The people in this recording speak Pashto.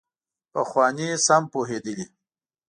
پخواني سم پوهېدلي.